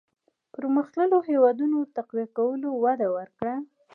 پرمختلليو هېوادونو تقويه کولو وده ورکړه.